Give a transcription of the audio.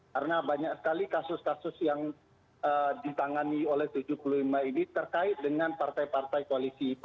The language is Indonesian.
karena banyak sekali kasus kasus yang ditangani oleh tujuh puluh lima ini terkait dengan partai partai koalisi itu